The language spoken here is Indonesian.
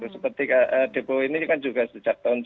seperti depo ini kan juga sejak tahun